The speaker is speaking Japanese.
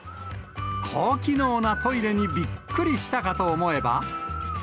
高機能なトイレにびっくりしたかと思えば。